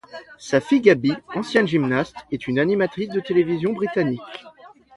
Sa fille, Gabby, ancienne gymnaste, est une animatrice de télévision britannique.